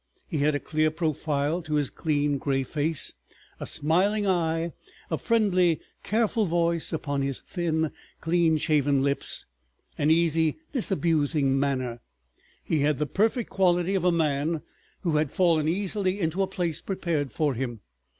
He had a clear profile to his clean gray face, a smiling eye, a friendly, careful voice upon his thin, clean shaven lips, an easy disabusing manner. He had the perfect quality of a man who had fallen easily into a place prepared for him.